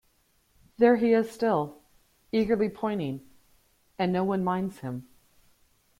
There he is still, eagerly pointing, and no one minds him.